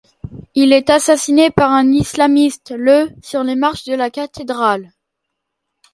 Il est assassiné par un islamiste le sur les marches de la cathédrale.